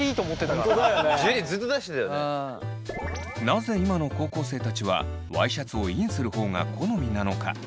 なぜ今の高校生たちはワイシャツをインする方が好みなのか。